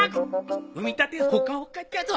産みたてほかほかじゃぞ。